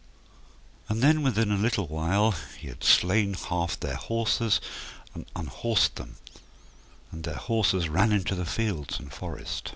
And then within a little while he had slain half their horses and unhorsed them, and their horses ran in the fields and forest.